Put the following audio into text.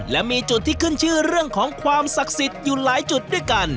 และมีจุดที่ขึ้นชื่อเรื่องของความศักดิ์สิทธิ์อยู่หลายจุดด้วยกัน